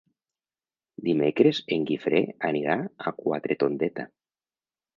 Dimecres en Guifré anirà a Quatretondeta.